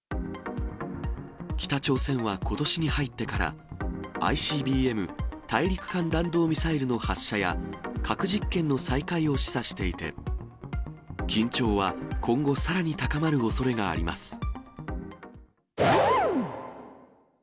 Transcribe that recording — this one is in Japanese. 北朝鮮はことしに入ってから、ＩＣＢＭ・大陸間弾道ミサイルの発射や、核実験の再開を示唆していて、緊張は今後、さらに高まるおそれがあります。